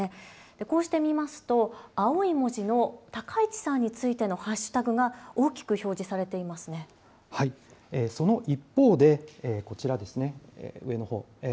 こうして見ますと、青い文字の高市さんについてのハッシュタグがその一方で、こちらですね、上のほう、＃